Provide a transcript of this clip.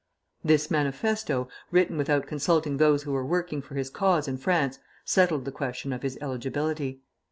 This manifesto, written without consulting those who were working for his cause in France, settled the question of his eligibility.